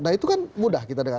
nah itu kan mudah kita dengar